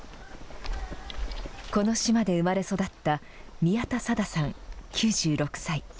この島で生まれ育った宮田サダさん９６歳。